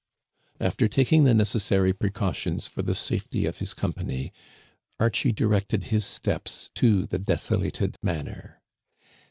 After taking the necessary precautions for the' safety of hi5 company, Archie directed his steps to the deso lated manor.